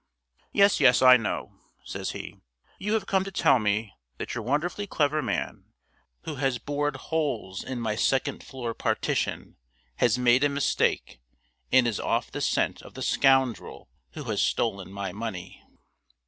"Yes, yes, I know," says he. "You have come to tell me that your wonderfully clever man, who has bored holes in my second floor partition, has made a mistake, and is off the scent of the scoundrel who has stolen my money."